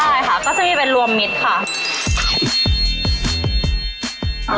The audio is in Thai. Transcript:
ใช่ค่ะก็จะมีเป็นรวมมิตรค่ะ